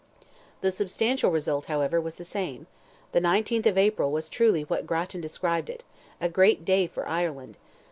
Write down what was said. The substantial result, however, was the same; the 19th of April was truly what Grattan described it, "a great day for Ireland."